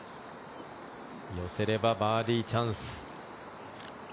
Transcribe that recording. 寄せればバーディーチャンス。